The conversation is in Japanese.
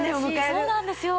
そうなんですよ。